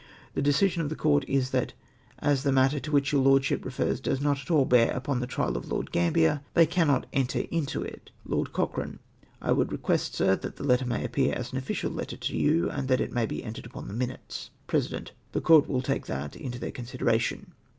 The decision of the Court is, that as the matter to which your lordship refers does not at all hear tcpon tlte trial of Lord Gamhler they cannot enter into it:' Lord Cochrane. —" I would request, sir, that that letter may appear as an official letter to you, and that it may be entered upon the Minutes." President. — "The Court will take that into their con sideration."